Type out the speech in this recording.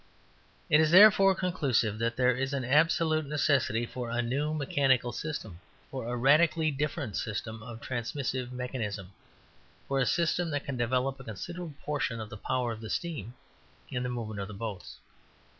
It is therefore conclusive that there is an absolute necessity for a NEW MECHANICAL SYSTEM, for a radically different system of transmissive mechanism, for a system that can develop a considerable portion of the power of the steam in the movement of boats.